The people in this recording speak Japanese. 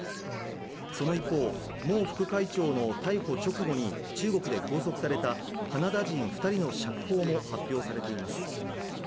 その方、孟副会長の逮捕直後に中国で拘束されたカナダ人２人の釈放も発表されています。